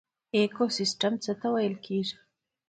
ایکوسیستم څه ته ویل کیږي